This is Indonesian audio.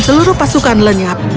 seluruh pasukan lenyap